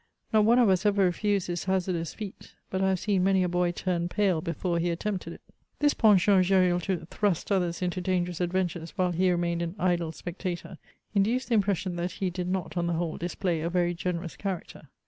Not one of us ever refused this hazardous feat, but I have seen many a boy turn pale before he attempted it. This penchant of Gesril to thrust others into dangerous ad ventures, while he remained an idle spectator, induced the impression that he did not, on the whole, display a very generous character.